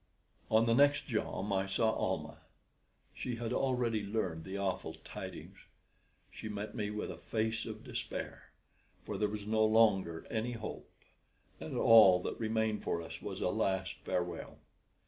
On the next jom I saw Almah. She had already learned the awful tidings. She met me with a face of despair; for there was no longer any hope, and all that remained for us was a last farewell.